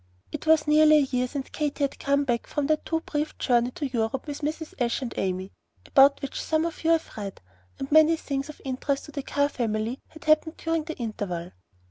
It was nearly a year since Katy had come back from that too brief journey to Europe with Mrs. Ashe and Amy, about which some of you have read, and many things of interest to the Carr family had happened during the interval.